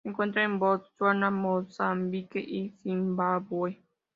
Se encuentra en Botsuana, Mozambique y Zimbabue.